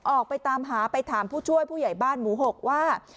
ออกไปตามหาไปถามผู้ช่วยผู้ใหญ่บ้านหมู่๖ว่า